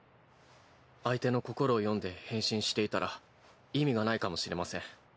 相手の心を読んで変身していたら意味がないかもしれません。